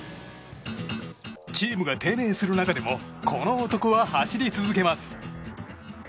チームが低迷する中でもこの男は走り続けます。